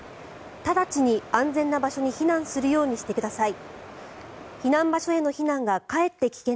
直ちに安全な場所に避難するようにしてください。